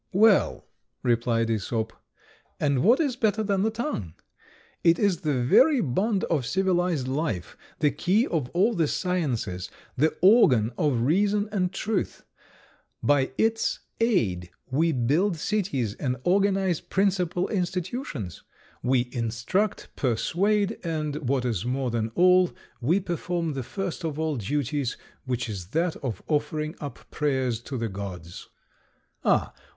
"Well," replied Æsop, "and what is better than the tongue? It is the very bond of civilised life, the key of all the sciences, the organ of reason and truth; by its aid we build cities and organise municipal institutions; we instruct, persuade, and, what is more than all, we perform the first of all duties, which is that of offering up prayers to the gods." "Ah!